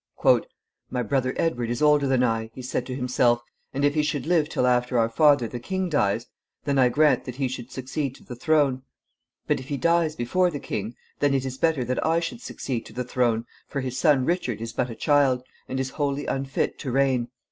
"My brother Edward is older than I," he said to himself, "and if he should live till after our father the king dies, then I grant that he should succeed to the throne. But if he dies before the king, then it is better that I should succeed to the throne, for his son Richard is but a child, and is wholly unfit to reign.